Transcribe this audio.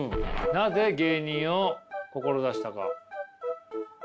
なぜ芸人を志したか。